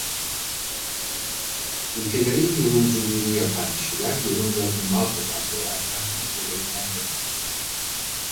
Ülkelerin yorumculuğunu yapan kişiler yorumlarını Malta'dan veya kendi ülkelerinden yapacaktır.